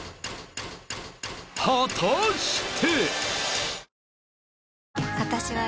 果たして